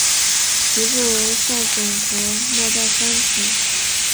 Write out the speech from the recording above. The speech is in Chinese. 其父为上总国末代藩主。